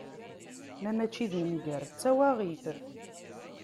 Ma mačči d nnger, d tawaɣit.